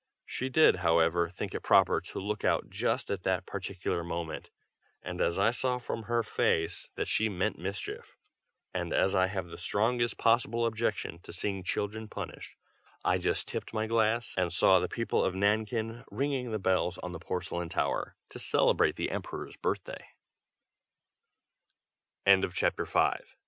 she did, however, think it proper to look out just at that particular moment; and as I saw from her face that she meant mischief, and as I have the strongest possible objection to seeing children punished, I just tipped my glass and saw the people of Nankin ringing the bells on the Porcelain Tower, to celebrate the Emperor's birthday. CHAPTER VI.